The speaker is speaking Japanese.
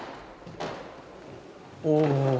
お。